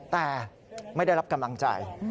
แต่ไม่ได้รับกำลังใจ